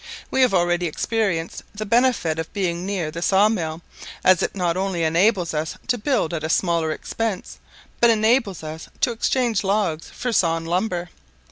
We have already experienced the benefit of being near the saw mill, as it not only enables us to build at a smaller expense, but enables us to exchange logs for sawn lumber.